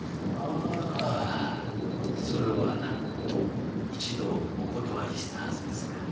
あぁそれは１度お断りしたはずですが。